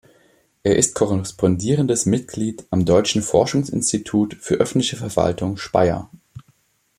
Er ist korrespondierendes Mitglied am Deutschen Forschungsinstitut für öffentliche Verwaltung Speyer.